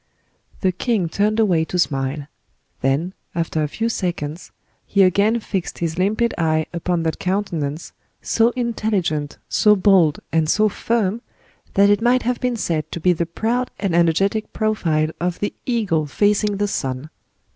The king turned away to smile; then, after a few seconds, he again fixed his limpid eye upon that countenance, so intelligent, so bold, and so firm, that it might have been said to be the proud and energetic profile of the eagle facing the sun.